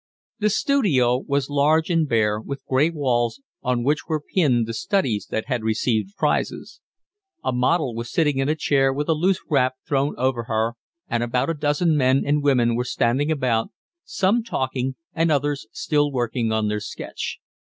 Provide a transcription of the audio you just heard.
The studio was large and bare, with gray walls, on which were pinned the studies that had received prizes. A model was sitting in a chair with a loose wrap thrown over her, and about a dozen men and women were standing about, some talking and others still working on their sketch.